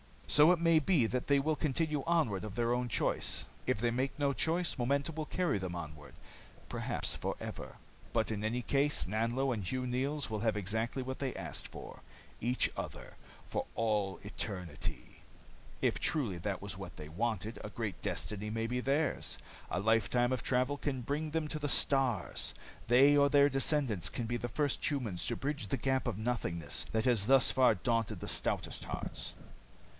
"So it may be that they will continue onward of their own choice. If they make no choice, momentum will carry them onward, perhaps forever. "But in any case, Nanlo and Hugh Neils will have exactly what they have asked for each other, for all eternity. If truly that was what they wanted, a great destiny may be theirs. A lifetime of travel can bring them to the stars. They or their descendants can be the first humans to bridge the gap of nothingness that has thus far daunted the stoutest hearts."